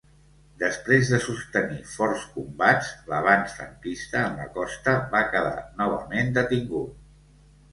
Després de sostenir forts combats, l'avanç franquista en la costa va quedar novament detingut.